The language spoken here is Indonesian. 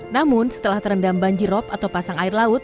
namun setelah terendam banjirop atau pasang air laut